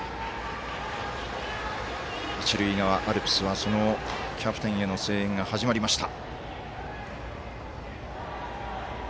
一塁側アルプスはそのキャプテンへの声援が始まりました。